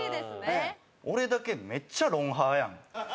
俺だけめっちゃ『ロンハー』やん。